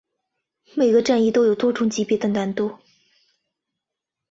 每个战役有多种级别的难度。